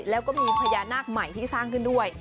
แล้วก็มีพญานาคใหม่ที่สร้างขึ้นด้วย